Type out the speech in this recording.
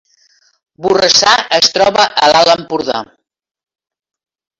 Borrassà es troba a l’Alt Empordà